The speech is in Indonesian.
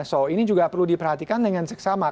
so ini juga perlu diperhatikan dengan seksama